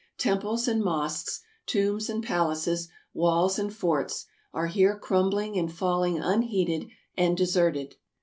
Temples and mosques, tombs and palaces, walls and forts, are here crumbling and falling unheeded and deserted.